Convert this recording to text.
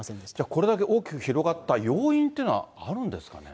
これだけ大きく広がった要因というのはあるんですかね？